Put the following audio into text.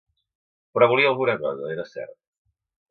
Però volia alguna cosa, era cert.